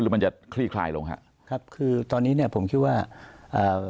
มันจะคลี่คลายลงฮะครับคือตอนนี้เนี้ยผมคิดว่าเอ่อ